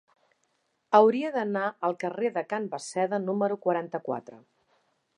Hauria d'anar al carrer de Can Basseda número quaranta-quatre.